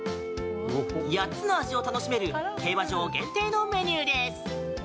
８つの味を楽しめる競馬場限定のメニューです。